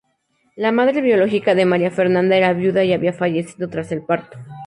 La madre biológica de Maria Fernanda era viuda y había fallecido tras el parto.